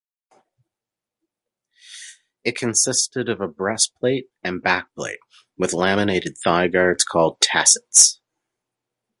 It consisted of a breastplate and backplate with laminated thigh-guards called tassets.